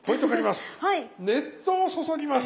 熱湯を注ぎます！